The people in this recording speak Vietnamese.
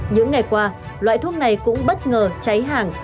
những ngày qua loại thuốc này cũng bất ngờ cháy hàng